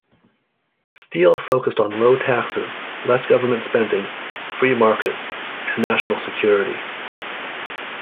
Steele focused on low taxes, less government spending, free markets and national security.